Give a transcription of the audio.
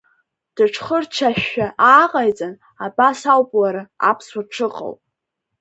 Дыҽхырччашәа ааҟаиҵан, абас ауп уара, аԥсуа дшыҟоу…